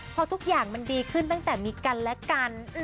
พอทุกอย่างมันดีขึ้นตั้งแต่มีกันและกัน